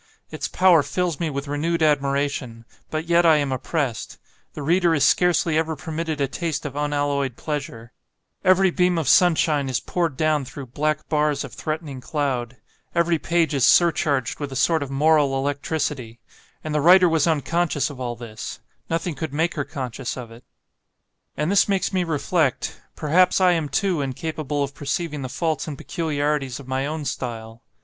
Its power fills me with renewed admiration; but yet I am oppressed: the reader is scarcely ever permitted a taste of unalloyed pleasure; every beam of sunshine is poured down through black bars of threatening cloud; every page is surcharged with a sort of moral electricity; and the writer was unconscious of all this nothing could make her conscious of it. "And this makes me reflect, perhaps I am too incapable of perceiving the faults and peculiarities of my own style.